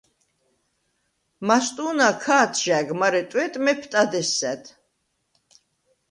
მასტუ̄ნა ქა̄თჟა̈გ, მარე ტვეტ მეფტად ესსა̈დ.